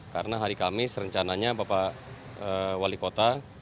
karena hari kamis rencananya bapak wali kota